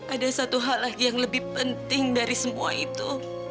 ada satu hal lagi yang lebih penting dari semua itu